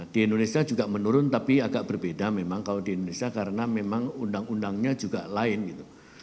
di indonesia juga menurun tapi agak berbeda memang kalau di indonesia karena memang undang undangnya juga lain gitu